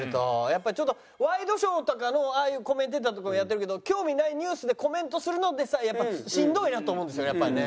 やっぱりちょっとワイドショーとかのああいうコメンテーターとかはやってるけど興味ないニュースでコメントするのでさえしんどいなと思うんですよねやっぱりね。